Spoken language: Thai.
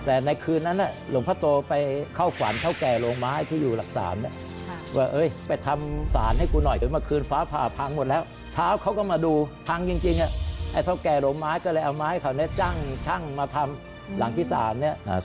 แต่ในคืนนั้นฮะหลวงพ่อโตไปข้าวขวานเถ้าแก่ลงไม้